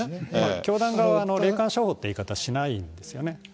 教団側は、霊感商法って言い方しないんですよね。